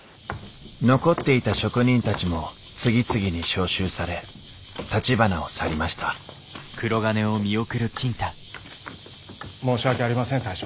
残っていた職人たちも次々に召集されたちばなを去りました申し訳ありません大将。